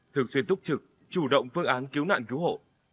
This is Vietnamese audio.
thường xuyên túc trực chủ động phương án cứu nạn cứu hộ